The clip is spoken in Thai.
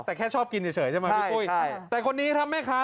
แต่แค่ชอบกินเฉยใช่ไหมพี่ปุ้ยใช่แต่คนนี้ครับแม่ค้า